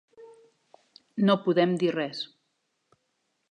No podem dir res.